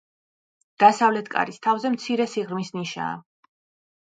დასავლეთი კარის თავზე მცირე სიღრმის ნიშაა.